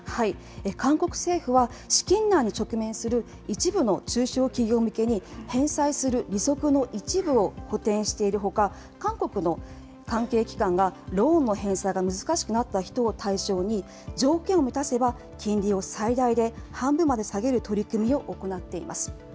韓国政府は、資金難に直面する一部の中小企業向けに、返済する利息の一部を補填しているほか、韓国の関係機関がローンの返済が難しくなった人を対象に、条件を満たせば、金利を最大で半分まで下げる取り組みを行っています。